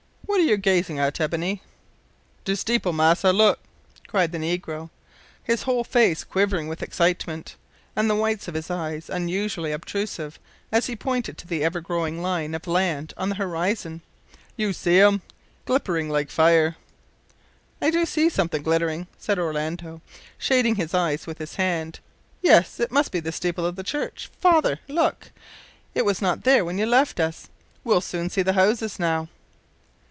What are you gazing at, Ebony?" "De steepil, massa. Look!" cried the negro, his whole face quivering with excitement, and the whites of his eyes unusually obtrusive as he pointed to the ever growing line of land on the horizon, "you see him? glippering like fire!" "I do see something glittering," said Orlando, shading his eyes with his hand; "yes, it must be the steeple of the church, father. Look, it was not there when you left us. We'll soon see the houses now."